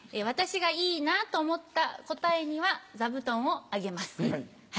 私がいいなと思った答えには座布団をあげます。